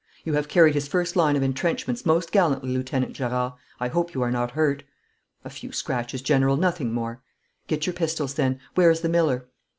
'You have carried his first line of entrenchments most gallantly, Lieutenant Gerard. I hope you are not hurt?' 'A few scratches, General, nothing more.' 'Get your pistols, then. Where is the miller?'